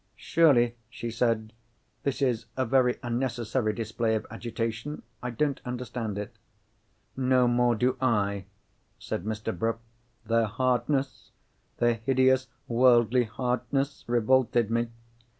"Surely," she said, "this is a very unnecessary display of agitation? I don't understand it." "No more do I," said Mr. Bruff. Their hardness—their hideous, worldly hardness—revolted me.